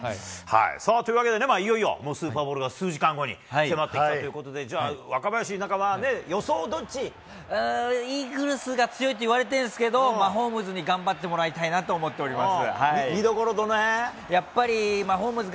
さあ、というわけでね、いよいよスーパーボウルが数時間後に迫ってきたということで、じゃあ、うーん、イーグルスが強いといわれてるんですけれども、マホームズに頑張ってもらいたいなと思っております。